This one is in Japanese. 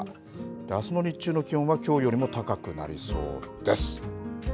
あすの日中の気温はきょうよりも高くなりそうです。